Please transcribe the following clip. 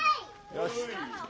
よし。